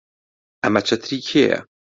ئەمە چەتری کێیە؟